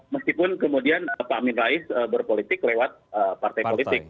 meskipun kemudian pak amin rais berpolitik lewat partai politik